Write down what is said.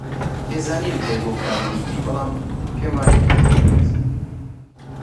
پێزانینم هەیە بۆ ئەو کارەی دەیکەیت، بەڵام پێم وانییە کەڵکی هەبێت.